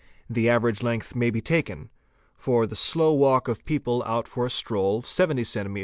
the average length may be taken: for the slow walk of people out for a stroll, 70 ems.